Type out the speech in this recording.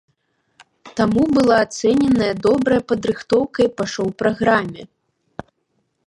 Таму была ацэненая добрая падрыхтоўка і па шоу-праграме.